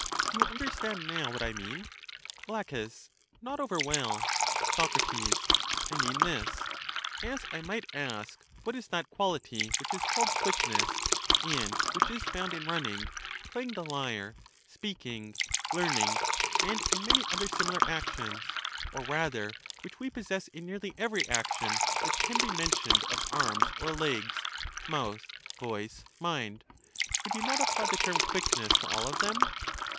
Do you understand now what I mean? La, Not over well. Soc, I mean this : As I might ask what is that qual ity which is called quickness, and which is found in running, playing the lyre, speaking, learning, and in many other similar actions, or rather which we possess in nearly every action that can be mentioned of arms or legs, mouth, voice, mind ;— would you not apply the term quickness to all of them?